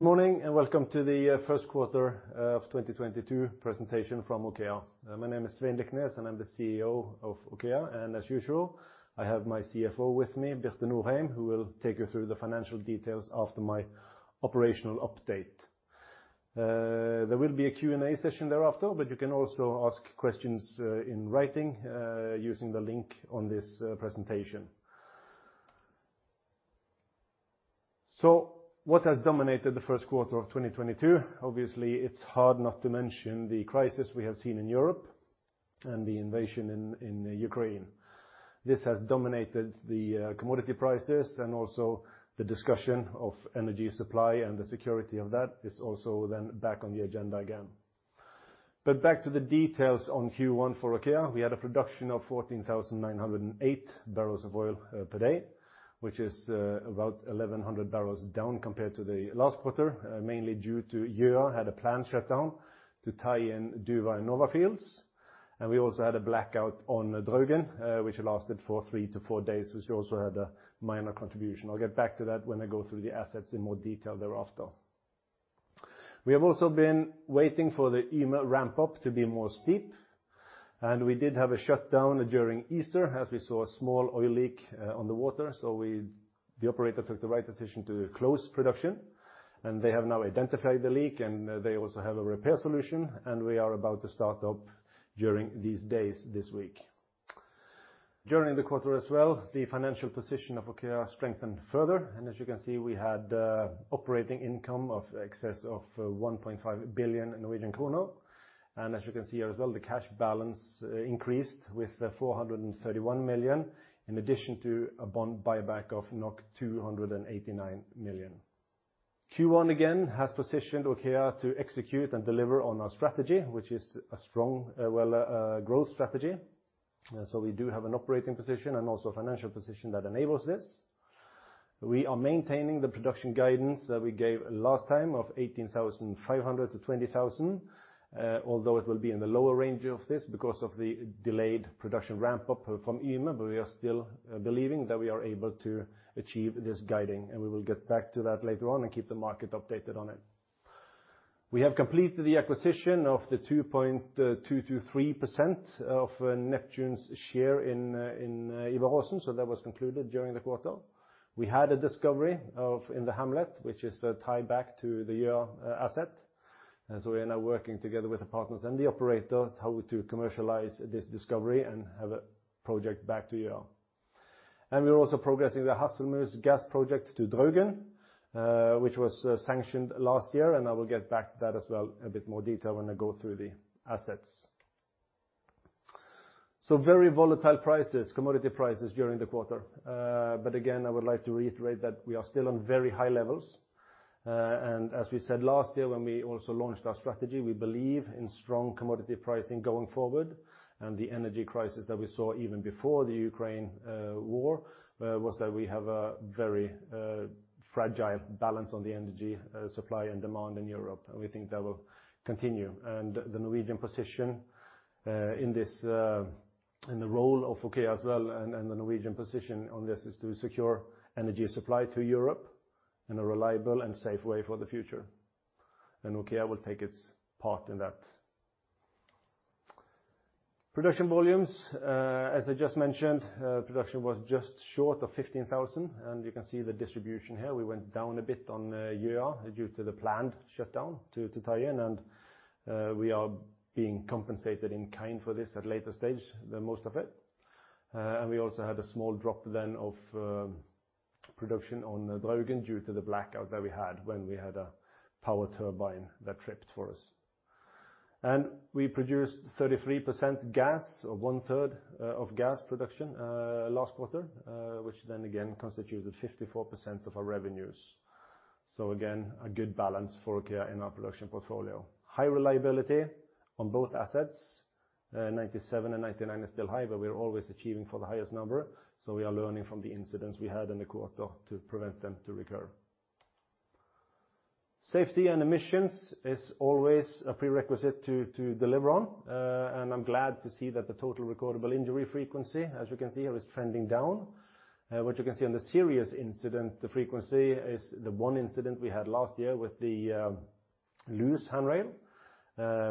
Good morning, and welcome to the first quarter of 2022 presentation from OKEA. My name is Svein J. Liknes, and I'm the CEO of OKEA. As usual, I have my CFO with me, Birte Norheim, who will take you through the financial details after my operational update. There will be a Q&A session thereafter, but you can also ask questions in writing using the link on this presentation. What has dominated the first quarter of 2022? Obviously, it's hard not to mention the crisis we have seen in Europe and the invasion in Ukraine. This has dominated the commodity prices and also the discussion of energy supply and the security of that is also then back on the agenda again. Back to the details on Q1 for OKEA, we had a production of 14,908 barrels of oil per day, which is about 1,100 barrels down compared to the last quarter, mainly due to Gjøa had a planned shutdown to tie in Duva and Nova fields. We also had a blackout on Draugen, which lasted for three to four days, which also had a minor contribution. I'll get back to that when I go through the assets in more detail thereafter. We have also been waiting for the Yme ramp up to be more steep, and we did have a shutdown during Easter as we saw a small oil leak on the water. The operator took the right decision to close production, and they have now identified the leak, and they also have a repair solution, and we are about to start up during these days, this week. During the quarter as well, the financial position of OKEA strengthened further, and as you can see, we had operating income in excess of 1.5 billion Norwegian krone. As you can see here as well, the cash balance increased with 431 million, in addition to a bond buyback of 289 million. Q1, again, has positioned OKEA to execute and deliver on our strategy, which is a strong growth strategy. We do have an operating position and also a financial position that enables this. We are maintaining the production guidance that we gave last time of 18,500 to 20,000, although it will be in the lower range of this because of the delayed production ramp-up from Yme, but we are still believing that we are able to achieve this guidance, and we will get back to that later on and keep the market updated on it. We have completed the acquisition of the 2.223% of Neptune's share in Ivar Aasen. So that was concluded during the quarter. We had a discovery in the Hamlet, which is tied back to the Gjøa asset, and so we are now working together with the partners and the operator how to commercialize this discovery and have a project back to Gjøa. We are also progressing the Hasselmus gas project to Draugen, which was sanctioned last year, and I will get back to that as well a bit more detail when I go through the assets. Very volatile prices, commodity prices during the quarter. Again, I would like to reiterate that we are still on very high levels. As we said last year when we also launched our strategy, we believe in strong commodity pricing going forward. The energy crisis that we saw even before the Ukraine war was that we have a very fragile balance on the energy supply and demand in Europe. We think that will continue. The Norwegian position in this in the role of OKEA as well, and the Norwegian position on this is to secure energy supply to Europe in a reliable and safe way for the future. OKEA will take its part in that. Production volumes as I just mentioned, production was just short of 15,000, and you can see the distribution here. We went down a bit on Gjøa due to the planned shutdown to tie in, and we are being compensated in kind for this at later stage, the most of it. We also had a small drop then of production on Draugen due to the blackout that we had when we had a power turbine that tripped for us. We produced 33% gas or 1/3 of gas production last quarter, which then again constituted 54% of our revenues. Again, a good balance for OKEA in our production portfolio. High reliability on both assets. 97% and 99% is still high, but we're always aiming for the highest number, so we are learning from the incidents we had in the quarter to prevent them to recur. Safety and emissions is always a prerequisite to deliver on. I'm glad to see that the Total Recordable Injury Frequency, as you can see, is trending down. What you can see on the serious incident frequency is the one incident we had last year with the loose handrail,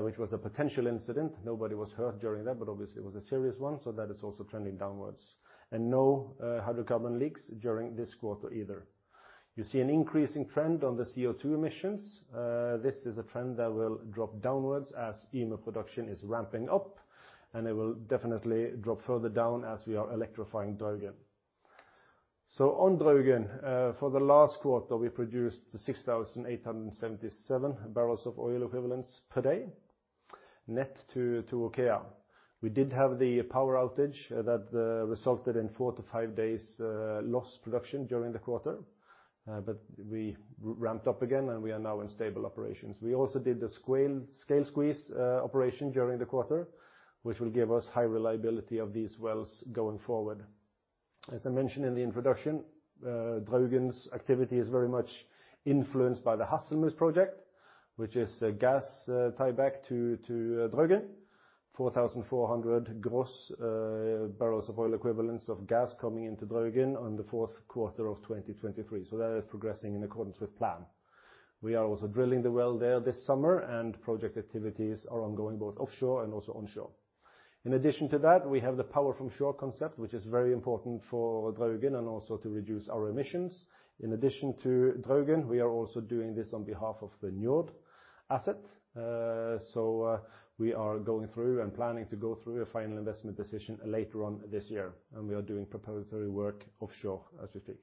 which was a potential incident. Nobody was hurt during that, but obviously it was a serious one, so that is also trending downwards. No hydrocarbon leaks during this quarter either. You see an increasing trend on the CO₂ emissions. This is a trend that will drop downwards as Yme production is ramping up, and it will definitely drop further down as we are electrifying Draugen. On Draugen, for the last quarter, we produced 6,877 barrels of oil equivalent per day net to OKEA. We did have the power outage that resulted in four to five days lost production during the quarter. We ramped up again, and we are now in stable operations. We also did the scale squeeze operation during the quarter, which will give us high reliability of these wells going forward. As I mentioned in the introduction, Draugen's activity is very much influenced by the Hasselmus project. Which is a gas tieback to Draugen. 4,400 gross barrels of oil equivalent of gas coming into Draugen in the fourth quarter of 2023. That is progressing in accordance with plan. We are also drilling the well there this summer, and project activities are ongoing both offshore and also onshore. In addition to that, we have the power from shore concept, which is very important for Draugen and also to reduce our emissions. In addition to Draugen, we are also doing this on behalf of the Njord asset. We are going through and planning to go through a final investment decision later on this year, and we are doing preparatory work offshore as we speak.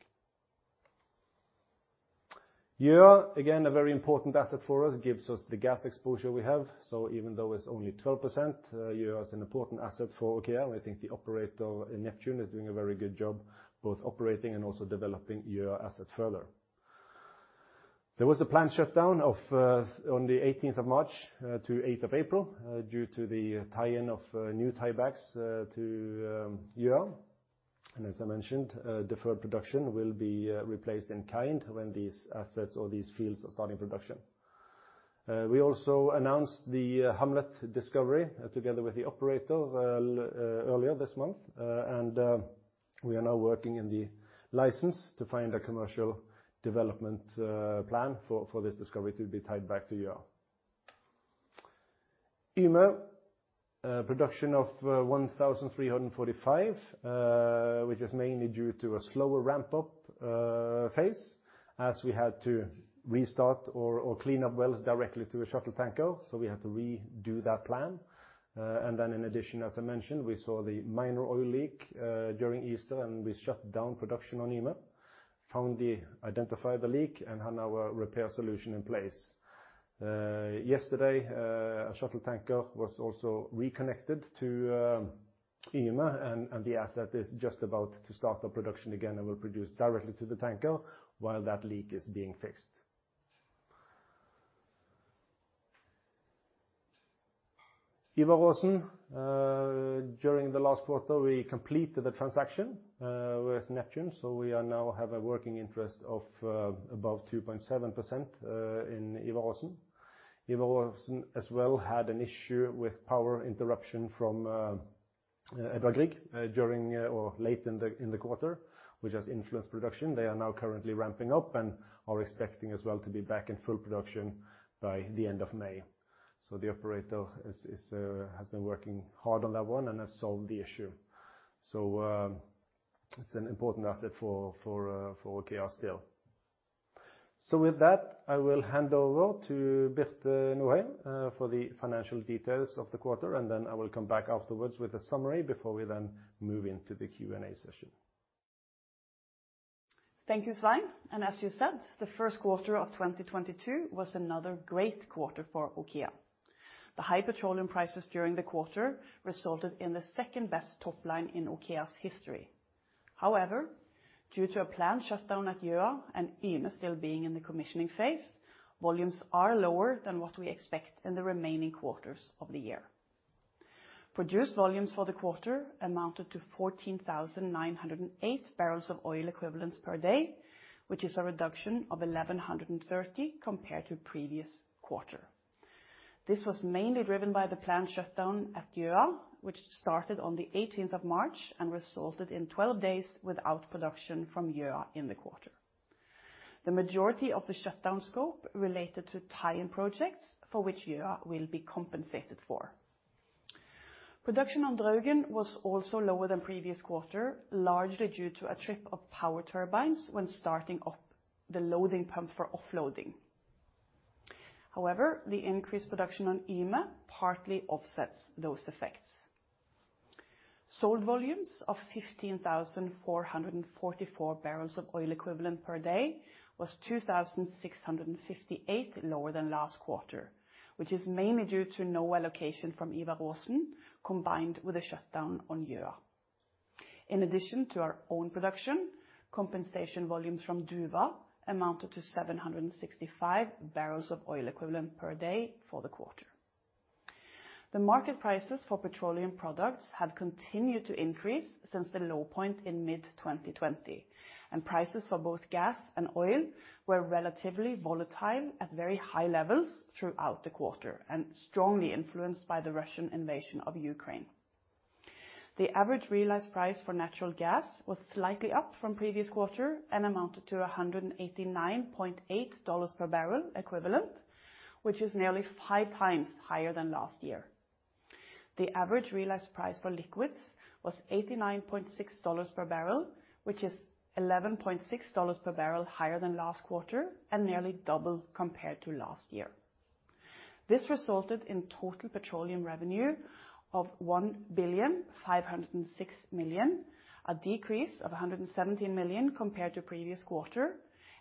Gjøa, again, a very important asset for us. Gives us the gas exposure we have. Even though it's only 12%, Gjøa is an important asset for OKEA, and I think the operator in Neptune is doing a very good job both operating and also developing Gjøa assets further. There was a planned shutdown on March 18th to April 8th due to the tie-in of new tiebacks to Gjøa. As I mentioned, deferred production will be replaced in kind when these assets or these fields are starting production. We also announced the Hamlet discovery together with the operator earlier this month. We are now working in the license to find a commercial development plan for this discovery to be tied back to Gjøa. Yme production of 1,345, which is mainly due to a slower ramp-up phase, as we had to restart or clean up wells directly to a shuttle tanker. We had to redo that plan. In addition, as I mentioned, we saw the minor oil leak during Easter, and we shut down production on Yme, identified the leak, and had our repair solution in place. Yesterday, a shuttle tanker was also reconnected to Yme, and the asset is just about to start the production again and will produce directly to the tanker while that leak is being fixed. Ivar Aasen, during the last quarter, we completed the transaction with Neptune, so we are now have a working interest of above 2.7% in Ivar Aasen. Ivar Aasen as well had an issue with power interruption from Edvard Grieg during or late in the quarter, which has influenced production. They are now currently ramping up and are expecting as well to be back in full production by the end of May. The operator has been working hard on that one and has solved the issue. It's an important asset for OKEA still. With that, I will hand over to Birte Norheim for the financial details of the quarter, and then I will come back afterwards with a summary before we then move into the Q&A session. Thank you, Svein. As you said, the first quarter of 2022 was another great quarter for OKEA. The high petroleum prices during the quarter resulted in the second-best top line in OKEA's history. However, due to a planned shutdown at Gjøa and Yme still being in the commissioning phase, volumes are lower than what we expect in the remaining quarters of the year. Produced volumes for the quarter amounted to 14,908 barrels of oil equivalent per day, which is a reduction of 1,130 compared to previous quarter. This was mainly driven by the planned shutdown at Gjøa, which started on March 18th and resulted in 12 days without production from Gjøa in the quarter. The majority of the shutdown scope related to tie-in projects for which Gjøa will be compensated for. Production on Draugen was also lower than previous quarter, largely due to a trip of power turbines when starting up the loading pump for offloading. However, the increased production on Yme partly offsets those effects. Sold volumes of 15,444 barrels of oil equivalent per day was 2,658 lower than last quarter, which is mainly due to no allocation from Ivar Aasen, combined with a shutdown on Gjøa. In addition to our own production, compensation volumes from Duva amounted to 765 barrels of oil equivalent per day for the quarter. The market prices for petroleum products have continued to increase since the low point in mid-2020, and prices for both gas and oil were relatively volatile at very high levels throughout the quarter and strongly influenced by the Russian invasion of Ukraine. The average realized price for natural gas was slightly up from previous quarter and amounted to $189.8 per barrel equivalent, which is nearly five times higher than last year. The average realized price for liquids was $89.6 per barrel, which is $11.6 per barrel higher than last quarter and nearly double compared to last year. This resulted in total petroleum revenue of 1,506,000,000, a decrease of 117 million compared to previous quarter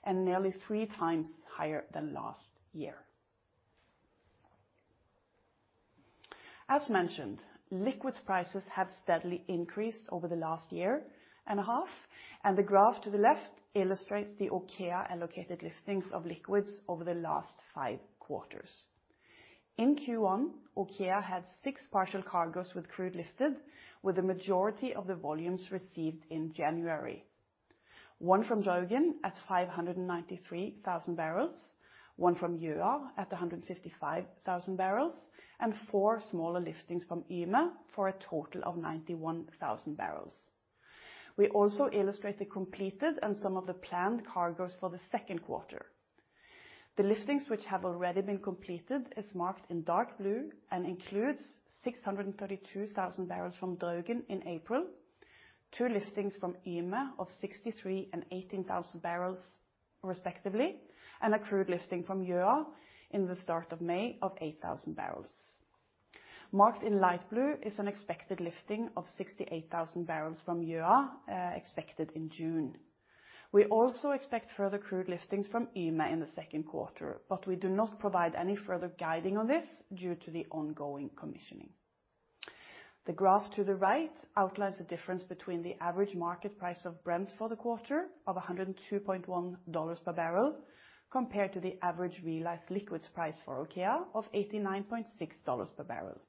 and nearly three times higher than last year. As mentioned, liquids prices have steadily increased over the last year and a half, and the graph to the left illustrates the OKEA-allocated liftings of liquids over the last five quarters. In Q1, OKEA had six partial cargoes with crude lifted, with the majority of the volumes received in January. One from Draugen at 593,000 barrels, one from Gjøa at 165,000 barrels, and four smaller listings from Yme for a total of 91,000 barrels. We also illustrate the completed and some of the planned cargoes for the second quarter. The listings which have already been completed is marked in dark blue and includes 632,000 barrels from Draugen in April, two listings from Yme of 63,000 barrels and 18,000 barrels respectively, and a crude listing from Gjøa in the start of May of 8,000 barrels. Marked in light blue is an expected lifting of 68,000 barrels from Gjøa, expected in June. We also expect further crude listings from Yme in the second quarter, but we do not provide any further guidance on this due to the ongoing commissioning. The graph to the right outlines the difference between the average market price of Brent for the quarter of $102.1 per barrel, compared to the average realized liquids price for OKEA of $89.6 per barrel.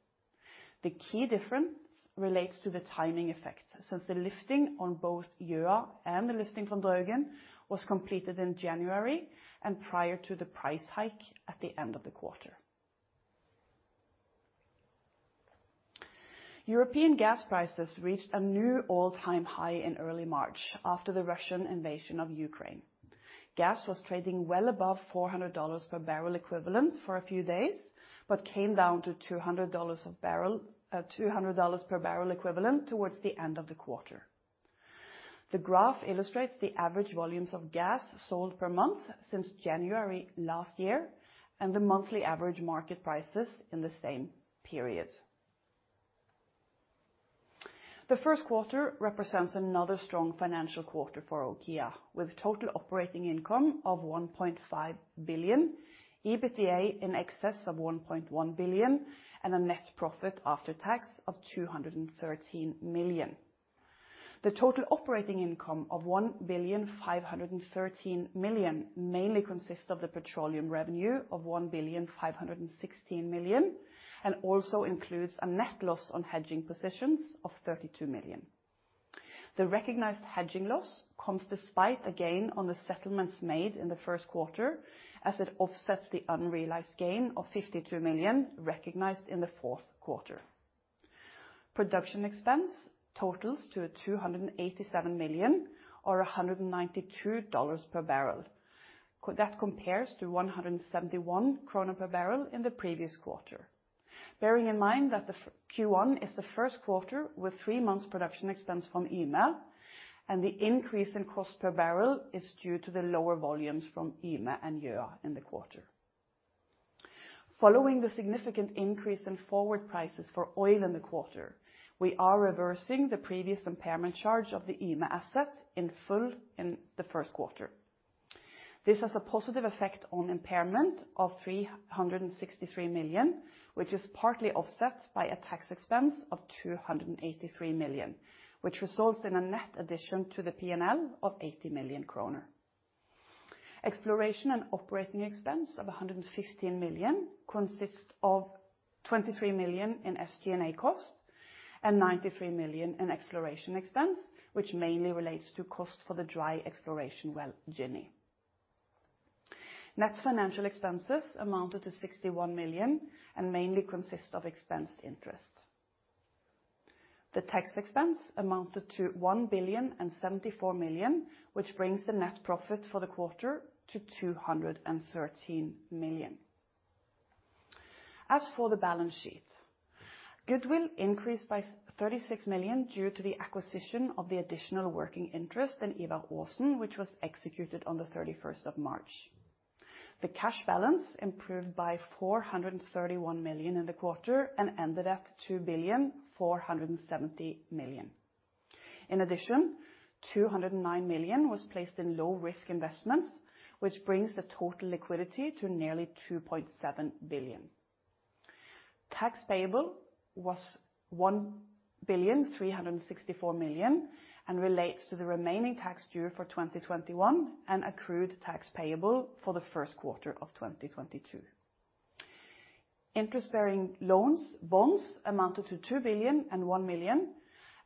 The key difference relates to the timing effect, since the lifting on both Yme and the lifting from Draugen was completed in January and prior to the price hike at the end of the quarter. European gas prices reached a new all-time high in early March after the Russian invasion of Ukraine. Gas was trading well above $400 per barrel equivalent for a few days, but came down to $200 per barrel equivalent towards the end of the quarter. The graph illustrates the average volumes of gas sold per month since January last year, and the monthly average market prices in the same period. The first quarter represents another strong financial quarter for OKEA, with total operating income of 1.5 billion, EBITDA in excess of 1.1 billion, and a net profit after tax of 213 million. The total operating income of 1,513,000,000 mainly consists of the petroleum revenue of 1,516,000,000, and also includes a net loss on hedging positions of 32 million. The recognized hedging loss comes despite a gain on the settlements made in the first quarter, as it offsets the unrealized gain of 52 million recognized in the fourth quarter. Production expense totals to 287 million, or $192 per barrel. That compares to 171 krone per barrel in the previous quarter. Bearing in mind that the Q1 is the first quarter with three months production expense from Yme, and the increase in cost per barrel is due to the lower volumes from Yme and Gjøa in the quarter. Following the significant increase in forward prices for oil in the quarter, we are reversing the previous impairment charge of the Yme asset in full in the first quarter. This has a positive effect on impairment of 363 million, which is partly offset by a tax expense of 283 million, which results in a net addition to the P&L of 80 million kroner. Exploration and operating expense of 115 million consists of 23 million in SG&A costs and 93 million in exploration expense, which mainly relates to cost for the dry exploration well, Ginny. Net financial expenses amounted to 61 million and mainly consist of interest expense. The tax expense amounted to 1,074,000,000, which brings the net profit for the quarter to 213 million. As for the balance sheet, goodwill increased by 36 million due to the acquisition of the additional working interest in Ivar Aasen, which was executed on March 31st. The cash balance improved by 431 million in the quarter and ended at 2,470,000,000. In addition, 209 million was placed in low-risk investments, which brings the total liquidity to nearly 2.7 billion. Tax payable was 1,364,000,000 and relates to the remaining tax due for 2021 and accrued tax payable for the first quarter of 2022. Interest-bearing loans and bonds amounted to 2,001,000,000,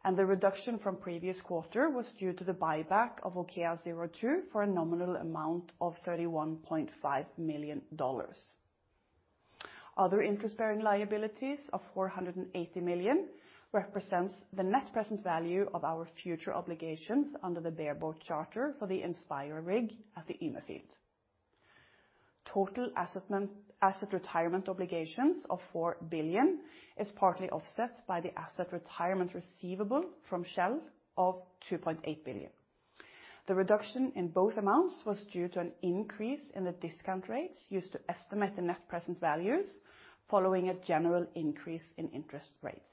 and the reduction from previous quarter was due to the buyback of OKEA02 for a nominal amount of $31.5 million. Other interest-bearing liabilities of 480 million represents the net present value of our future obligations under the bareboat charter for the Inspirer rig at the Yme field. Total asset retirement obligations of 4 billion is partly offset by the asset retirement receivable from Shell of 2.8 billion. The reduction in both amounts was due to an increase in the discount rates used to estimate the net present values following a general increase in interest rates.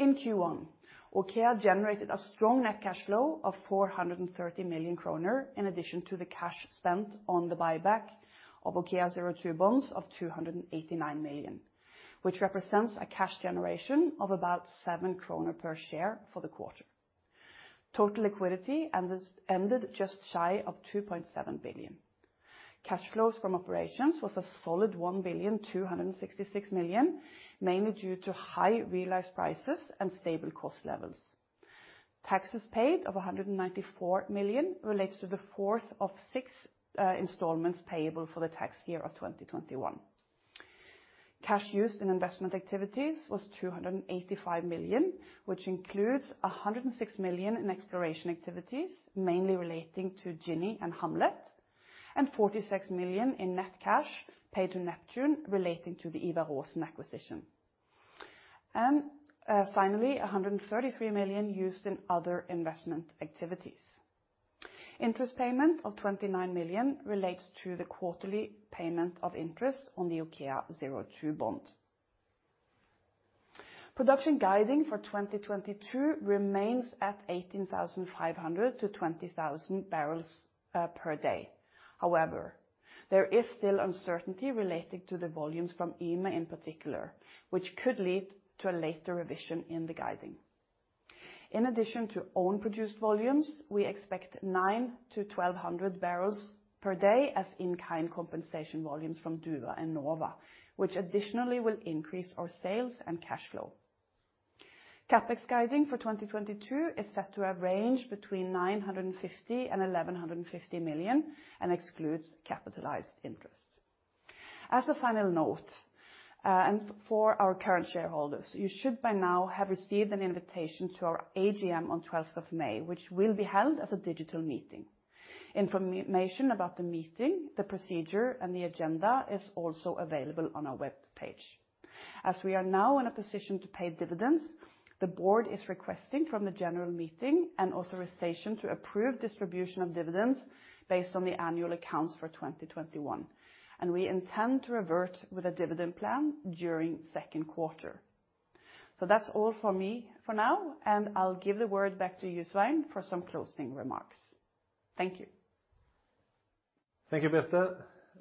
In Q1, OKEA generated a strong net cash flow of 430 million kroner in addition to the cash spent on the buyback of OKEA02 bonds of 289 million, which represents a cash generation of about 7 kroner per share for the quarter. Total liquidity and this ended just shy of 2.7 billion. Cash flows from operations was a solid 1,266,000,000, mainly due to high realized prices and stable cost levels. Taxes paid of 194 million relates to the fourth of six installments payable for the tax year of 2021. Cash used in investment activities was 285 million, which includes 106 million in exploration activities, mainly relating to Ginny and Hamlet, and 46 million in net cash paid to Neptune relating to the Ivar Aasen acquisition. Finally, 133 million used in other investment activities. Interest payment of 29 million relates to the quarterly payment of interest on the OKEA02 bond. Production guiding for 2022 remains at 18,500 barrels-20,000 barrels per day. However, there is still uncertainty related to the volumes from Yme in particular, which could lead to a later revision in the guiding. In addition to own produced volumes, we expect 900 barrels-1,200 barrels per day as in-kind compensation volumes from Duva and Nova, which additionally will increase our sales and cash flow. CapEx guiding for 2022 is set to a range between 950 million and 1,150 million, and excludes capitalized interest. As a final note, and for our current shareholders, you should by now have received an invitation to our AGM on May 12th, which will be held as a digital meeting. Information about the meeting, the procedure, and the agenda is also available on our webpage. As we are now in a position to pay dividends, the board is requesting from the general meeting an authorization to approve distribution of dividends based on the annual accounts for 2021. We intend to revert with a dividend plan during second quarter. That's all for me for now, and I'll give the word back to Svein for some closing remarks. Thank you. Thank you,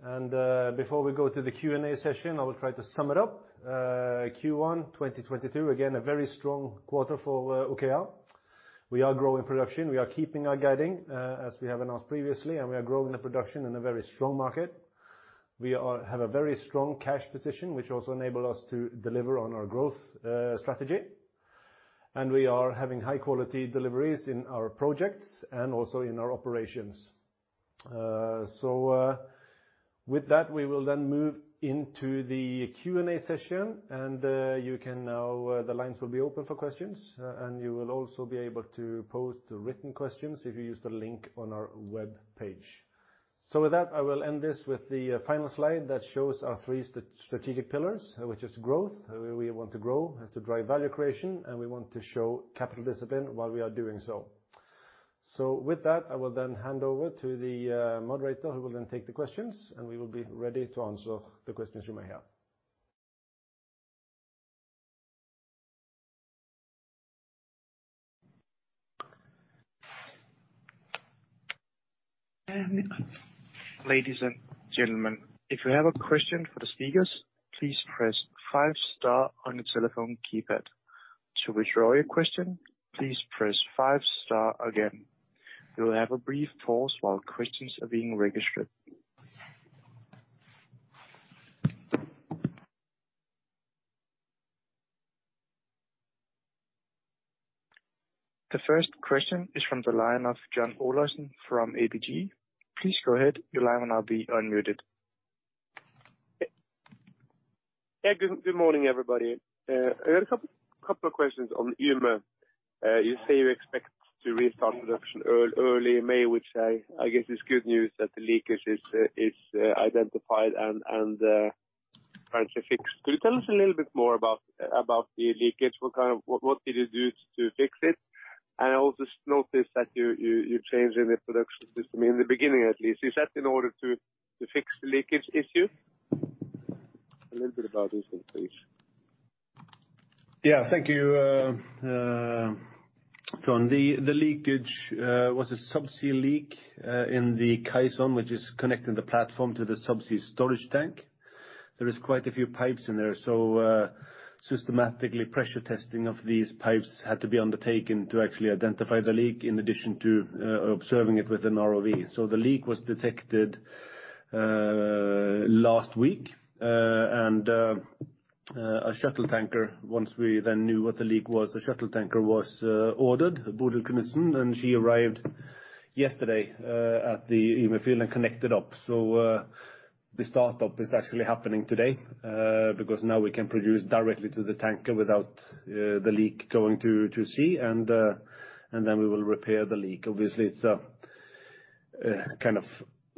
Birte. Before we go to the Q&A session, I will try to sum it up. Q1 2022, again, a very strong quarter for OKEA. We are growing production. We are keeping our guidance, as we have announced previously, and we are growing the production in a very strong market. We have a very strong cash position, which also enables us to deliver on our growth strategy. We are having high quality deliveries in our projects and also in our operations. With that, we will then move into the Q&A session, and you can now the lines will be open for questions, and you will also be able to pose the written questions if you use the link on our webpage. With that, I will end this with the final slide that shows our three strategic pillars, which is growth. We want to grow, have to drive value creation, and we want to show capital discipline while we are doing so. With that, I will hand over to the moderator, who will then take the questions, and we will be ready to answer the questions you may have. Ladies and gentlemen, if you have a question for the speakers, please press five star on your telephone keypad. To withdraw your question, please press five star again. We will have a brief pause while questions are being registered. The first question is from the line of John Olaisen from ABG. Please go ahead. Your line will now be unmuted. Yeah. Good morning, everybody. I got a couple of questions on Yme. You say you expect to restart production early May, which I guess is good news that the leakage is identified and trying to fix. Could you tell us a little bit more about the leakage? What did you do to fix it? I also noticed that you're changing the production system in the beginning at least. Is that in order to fix the leakage issue? A little bit about this one, please. Yeah. Thank you, John. The leakage was a subsea leak in the caisson, which is connecting the platform to the subsea storage tank. There is quite a few pipes in there. Systematically pressure testing of these pipes had to be undertaken to actually identify the leak in addition to observing it with an ROV. The leak was detected last week. Once we then knew what the leak was, a shuttle tanker was ordered, [Bodø, and she arrived yesterday at the Yme field and connected up. The startup is actually happening today because now we can produce directly to the tanker without the leak going to sea. Then we will repair the leak. Obviously, it's a kind of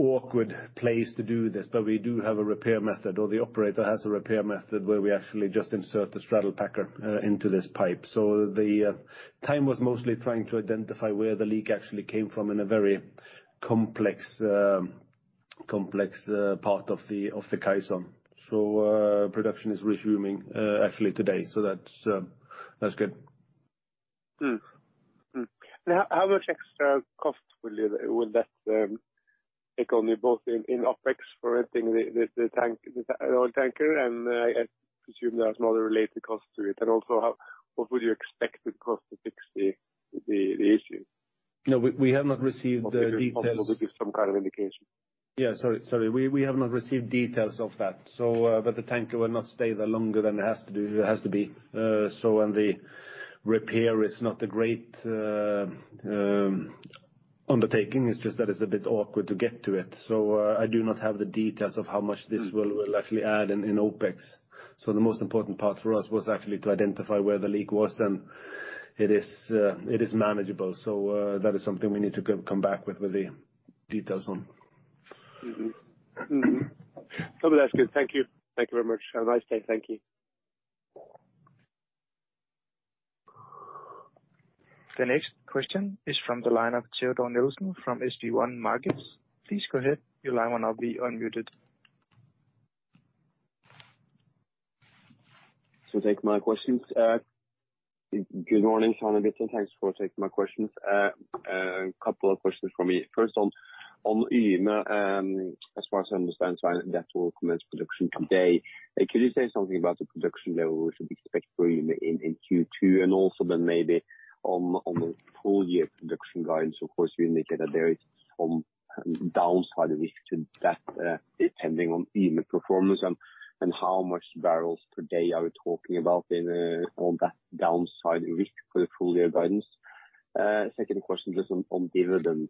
awkward place to do this, but we do have a repair method, or the operator has a repair method where we actually just insert the straddle packer into this pipe. The time was mostly trying to identify where the leak actually came from in a very complex part of the caisson. Production is resuming actually today. That's good. Mm-hmm. Mm-hmm. Now how much extra cost will that incur both in OpEx for renting the oil tanker and I presume there are some other related costs to it. What would you expect the cost to fix the issue? No, we have not received the details. Some kind of indication. Sorry. We have not received details of that. The tanker will not stay there longer than it has to be. The repair is not a great undertaking. It's just that it's a bit awkward to get to it. I do not have the details of how much this will actually add in OpEx. The most important part for us was actually to identify where the leak was, and it is manageable. That is something we need to come back with the details on. Mm-hmm. Mm-hmm. No, that's good. Thank you. Thank you very much. Have a nice day. Thank you. The next question is from the line of Teodor Nilsen from SB1 Markets. Please go ahead. Your line will now be unmuted. Take my questions. Good morning, [Arne Bjørge]. Thanks for taking my questions. A couple of questions for me. First on Yme, as far as I understand, that will commence production today. Could you say something about the production level we should expect for Yme in Q2? Also, then maybe on the full year production guidance, of course, you indicated that there is some downside risk to that, depending on Yme performance and how much barrels per day are we talking about on that downside risk for the full year guidance. Second question just on dividends.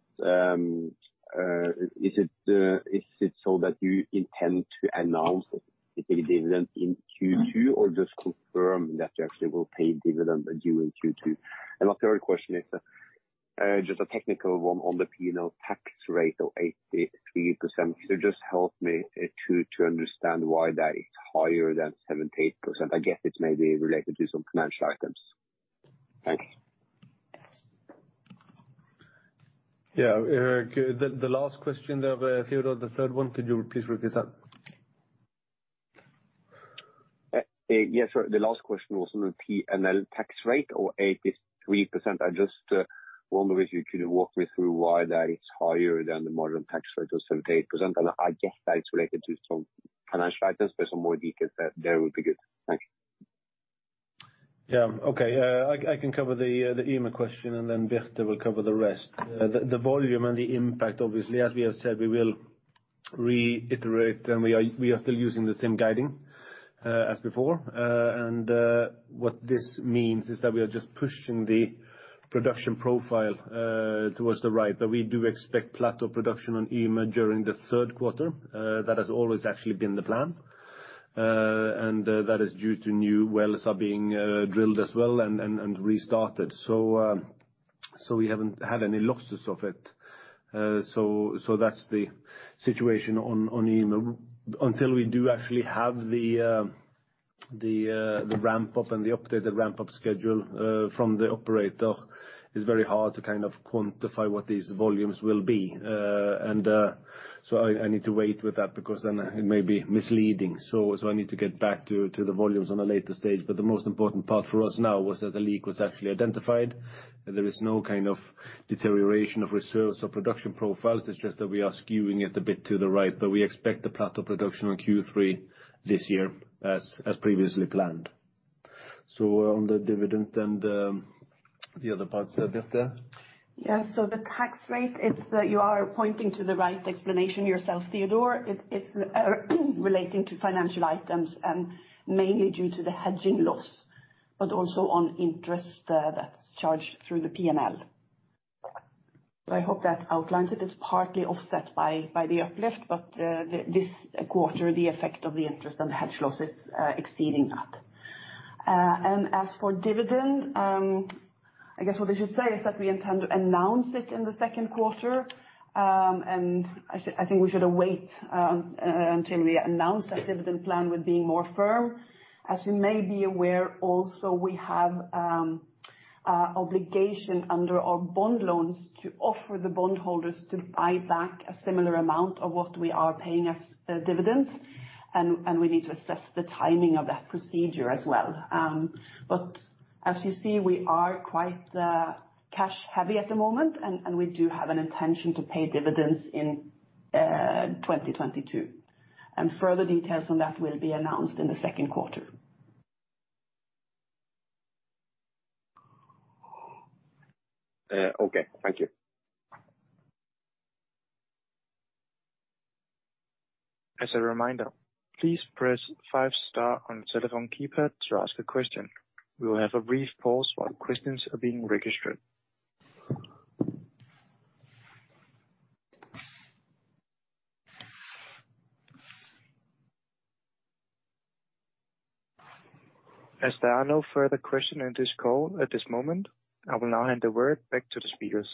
Is it so that you intend to announce the dividend in Q2 or just confirm that you actually will pay dividend due in Q2? My third question is just a technical one on the P&L tax rate of 83%. Could you just help me to understand why that is higher than 78%? I guess it's maybe related to some financial items. Thanks. Yeah. The last question there, Teodor, the third one, could you please repeat that? Yes, sure. The last question was on the P&L tax rate of 83%. I just wonder if you could walk me through why that is higher than the nominal tax rate of 78%. I guess that's related to some financial items, but some more details there would be good. Thanks. I can cover the Yme question, and then Birte will cover the rest. The volume and the impact, obviously, as we have said, we will reiterate, and we are still using the same guidance as before. What this means is that we are just pushing the production profile towards the right. We do expect plateau production on Yme during the third quarter. That has always actually been the plan. That is due to new wells are being drilled as well and restarted. That's the situation on Yme. Until we do actually have the ramp up and the updated ramp up schedule from the operator, it's very hard to kind of quantify what these volumes will be. I need to wait with that because then it may be misleading. I need to get back to the volumes on a later stage. The most important part for us now was that the leak was actually identified, and there is no kind of deterioration of reserves or production profiles. It's just that we are skewing it a bit to the right. We expect the plateau production on Q3 this year as previously planned. On the dividend and the other parts, Birte. Yeah. The tax rate, it's you are pointing to the right explanation yourself, Teodor. It's relating to financial items and mainly due to the hedging loss, but also on interest that's charged through the P&L. I hope that outlines it. It's partly offset by the uplift, but this quarter, the effect of the interest and the hedge loss is exceeding that. As for dividend, I guess what we should say is that we intend to announce it in the second quarter. I think we should await until we announce that dividend plan with being more firm. As you may be aware also, we have obligation under our bond loans to offer the bond holders to buy back a similar amount of what we are paying as dividends. We need to assess the timing of that procedure as well. As you see, we are quite cash-heavy at the moment, and we do have an intention to pay dividends in 2022. Further details on that will be announced in the second quarter. Okay. Thank you. As a reminder, please press five star on telephone keypad to ask a question. We will have a brief pause while questions are being registered. As there are no further question in this call at this moment, I will now hand the word back to the speakers.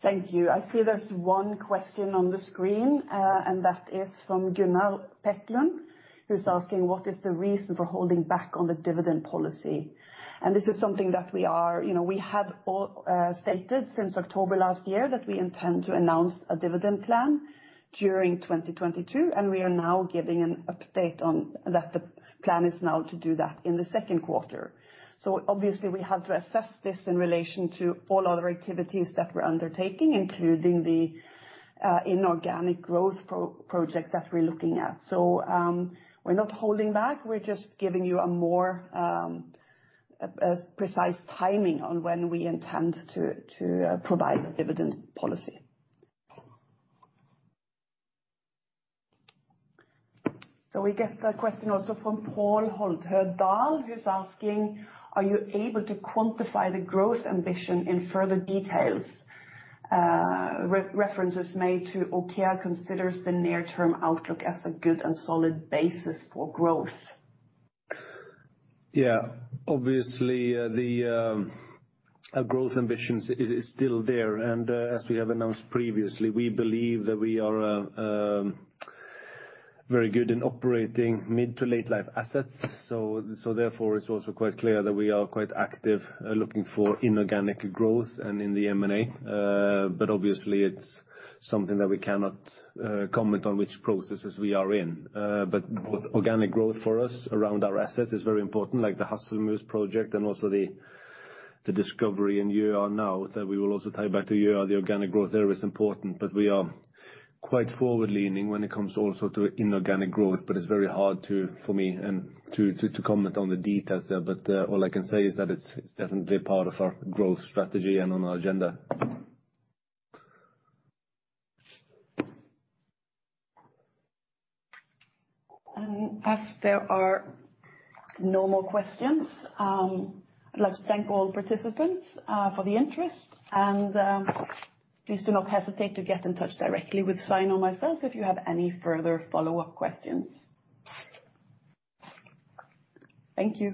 Thank you. I see there's one question on the screen, and that is from [Gunnar Pettersen], who's asking, what is the reason for holding back on the dividend policy? This is something that we are, you know, we have all stated since October last year that we intend to announce a dividend plan during 2022, and we are now giving an update on that. The plan is now to do that in the second quarter. Obviously we have to assess this in relation to all other activities that we're undertaking, including the inorganic growth projects that we're looking at. We're not holding back, we're just giving you a more precise timing on when we intend to provide dividend policy. We get a question also from [Pål Holtedahl], who's asking, "Are you able to quantify the growth ambition in further details?" Reference is made to OKEA considers the near-term outlook as a good and solid basis for growth. Yeah. Obviously, the growth ambitions is still there. As we have announced previously, we believe that we are very good in operating mid to late life assets. Therefore, it's also quite clear that we are quite active looking for inorganic growth and in the M&A. Obviously, it's something that we cannot comment on which processes we are in. Both organic growth for us around our assets is very important, like the Hasselmus project and also the discovery in Gjøa now that we will also tie back to Gjøa, the organic growth there is important. We are quite forward leaning when it comes also to inorganic growth, but it's very hard for me to comment on the details there. All I can say is that it's definitely part of our growth strategy and on our agenda. As there are no more questions, I'd like to thank all participants for the interest. Please do not hesitate to get in touch directly with Svein or myself if you have any further follow-up questions. Thank you.